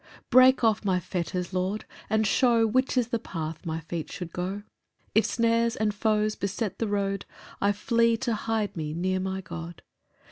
10 Break off my fetters, Lord, and show Which is the path my feet should go; If snares and foes beset the road, I flee to hide me near my God.